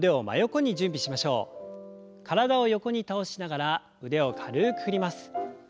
体を横に倒しながら腕を軽く振ります。